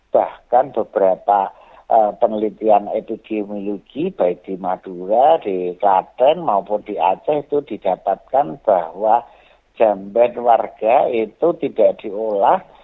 bahkan beberapa penelitian epidemiologi baik di madura di klaten maupun di aceh itu didapatkan bahwa jambet warga itu tidak diolah